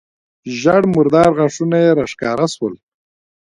ژېړ مردار غاښونه يې راښکاره سول.